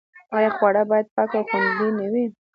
آیا خواړه باید پاک او خوندي نه وي؟